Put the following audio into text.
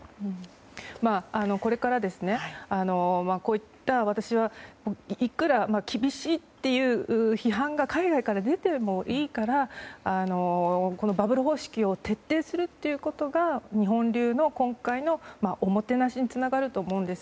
これから、こういった私はいくら厳しいという批判が海外から出てもいいからこのバブル方式を徹底するということが日本流の今回のおもてなしにつながると思うんです。